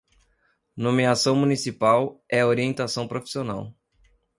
Nomeação municipal é orientação profissional